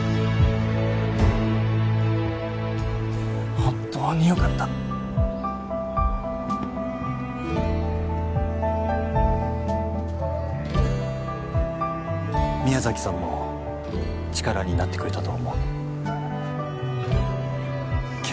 本当によかった宮崎さんも力になってくれたと思うえっ？